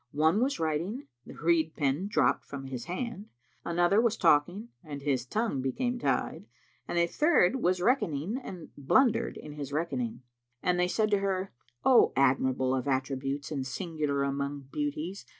One was writing, and the reed pen dropped from his hand, another was talking, and his tongue became tied, and a third was reckoning and blundered in his reckoning; and they said to her, "O admirable of attributes and singular among beauties!